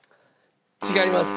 違います。